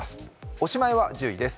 おしまいは１０位です。